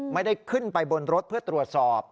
ไม่ได้ขึ้นไปบนรถเพื่อตรวจสอบ